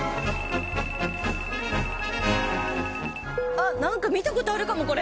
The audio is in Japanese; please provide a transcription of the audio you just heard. あっなんか見た事あるかもこれ。